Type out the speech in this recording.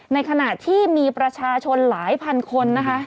ในขณะที่มีประชาชนหลายพันคนนะคะ